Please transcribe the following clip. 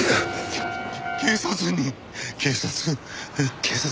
警察に警察。